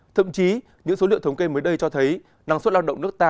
thậm chí những số liệu thống kê mới đây cho thấy năng suất lao động nước ta